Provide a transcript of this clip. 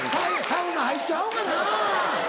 サウナ入っちゃおうかな。